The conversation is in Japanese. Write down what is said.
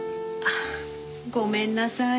あごめんなさい。